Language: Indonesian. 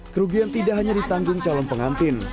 kerugian tidak hanya ditanggung calon pengantin